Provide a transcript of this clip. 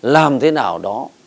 làm thế nào đó